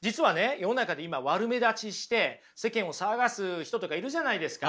世の中で今悪目立ちして世間を騒がす人とかいるじゃないですか。